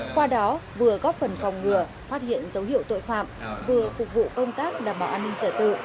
qua đó vừa góp phần phòng ngừa phát hiện dấu hiệu tội phạm vừa phục vụ công tác đảm bảo an ninh trả tự